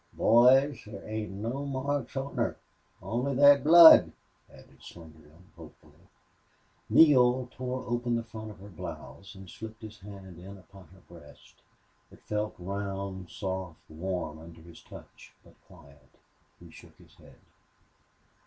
"Boys, thar ain't no marks on her only thet blood," added Slingerland, hopefully. Neale tore open the front of her blouse and slipped his hand in upon her breast. It felt round, soft, warm under his touch, but quiet. He shook his head.